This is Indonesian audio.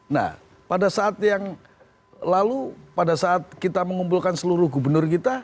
nah pada saat yang lalu pada saat kita mengumpulkan seluruh gubernur kita